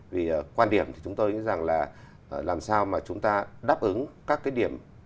vì quan điểm thì chúng tôi nghĩ rằng là làm sao mà chúng ta đáp ứng các cái điểm